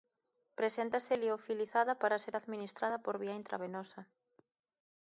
Preséntase liofilizada para ser administrada por vía intravenosa.